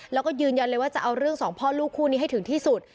แล้วก็ยืนยันเลยว่าจะเอาเรื่องสองพ่อลูกคู่นี้ให้ถึงที่สุด